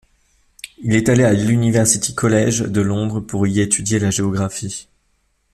Il est allé à l'University College de Londres pour y étudier la géographie.